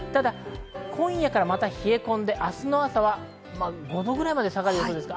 今夜からまた冷え込んで、明日の朝は５度ぐらいまで下がる予報です。